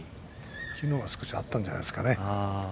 昨日は少しはあったんじゃないですかね。